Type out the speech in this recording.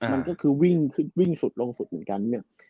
มันก็คือวิ่งสุดลงสุดเหมือนกันเนี่ย